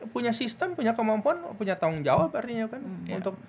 punya sistem punya kemampuan punya tanggung jawab artinya kan